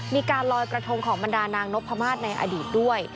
มีการลอยกระทงของบรรดานางนพมาศในอดีตด้วย